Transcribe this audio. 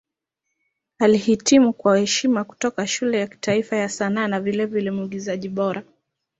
Alihitimu kwa heshima kutoka Shule ya Kitaifa ya Sanaa na vilevile Mwigizaji Bora.